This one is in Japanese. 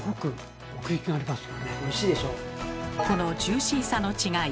このジューシーさの違い。